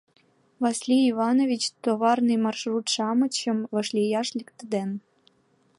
Василий Иванович товарный маршрут-шамычым вашлияш лектеден.